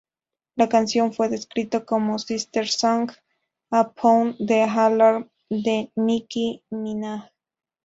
La canción fue descrito como "sister song" a Pound the Alarm de Nicki Minaj.